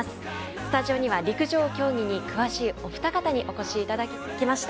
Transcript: スタジオには陸上競技に詳しいお二方にお越しいただきました。